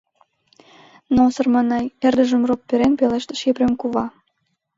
— Но, сарманай! — эрдыжым роп перен пелештыш Епрем кува.